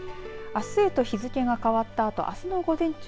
あすへと日付が変わったあとあすの午前中